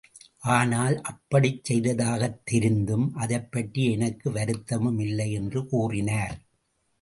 ஆனால், அப்படிச் செய்ததாகத் தெரிந்ததும், அதைப் பற்றி எனக்கு வருத்தமும் இல்லை என்று கூறினார்.